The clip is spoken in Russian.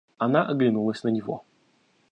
Она оглянулась на него.